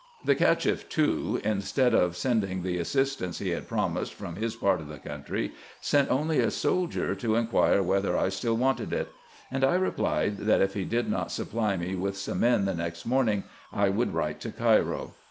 The Cacheff, too, instead of sending the assistance he had promised from his part of the country, sent only a soldier, to inquire whether I still wanted it ; and I replied, that, if he did not supply me with some men the next morning, I should write to Cairo.